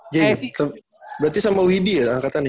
jadi berarti sama widi angkatannya